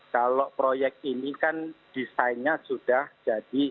kalau proyek ini kan desainnya sudah jadi